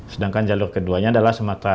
sedangkan jalur keduanya adalah sumatera